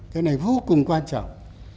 cái này vô cùng quan trọng